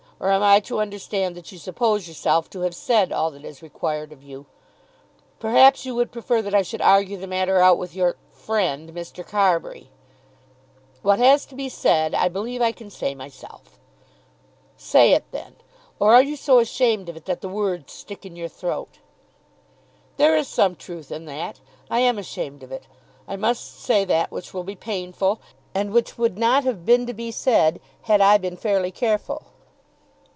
Or am I to understand that you suppose yourself to have said all that is required of you? Perhaps you would prefer that I should argue the matter out with your friend, Mr. Carbury." "What has to be said, I believe I can say myself." "Say it then. Or are you so ashamed of it, that the words stick in your throat?" "There is some truth in that. I am ashamed of it. I must say that which will be painful, and which would not have been to be said, had I been fairly careful."